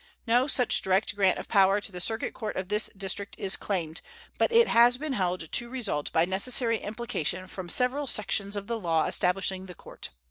No such direct grant of power to the circuit court of this District is claimed, but it has been held to result by necessary implication from several sections of the law establishing the court.